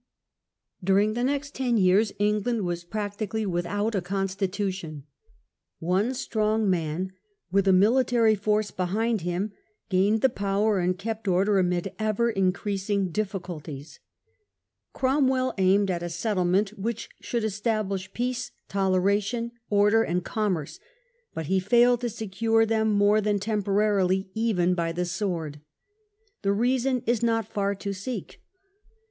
During the next ten years England was practically without a Constitution. One strong man, with a military force behind him, gained the power and kept character of order amid ever increasing difficulties. Crom « Period, well aimed at a settlement which should establish peace, toleration, order, and commerce; but he failed to secure them more than temporarily, even by the sword. The reason is not far to seek.